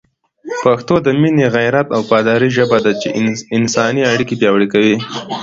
پښتو د مینې، غیرت او وفادارۍ ژبه ده چي انساني اړیکي پیاوړې کوي.